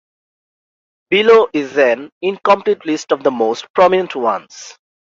Below is an incomplete list of the most prominent ones.